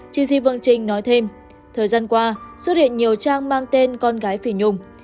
chia sĩ vương trinh nói thêm thời gian qua xuất hiện nhiều trang mang tên con gái phi nhung